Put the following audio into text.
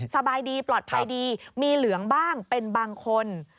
สบายดีปลอดภัยดีมีเหลืองบ้างเป็นบางคน